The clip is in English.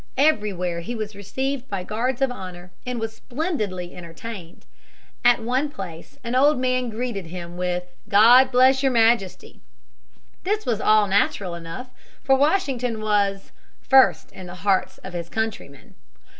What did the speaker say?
Everywhere he was received by guards of honor, and was splendidly entertained. At one place an old man greeted him with "God bless Your Majesty." This was all natural enough, for Washington was "first in the hearts of his countrymen."